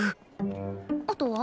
あとは？